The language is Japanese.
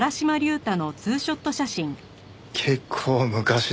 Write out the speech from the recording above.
結構昔の。